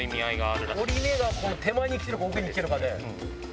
折り目が手前にきてるか奥にきてるかで。